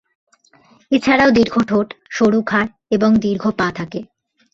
এছাড়াও দীর্ঘ ঠোঁট, সরু ঘাড় এবং দীর্ঘ পা থাকে।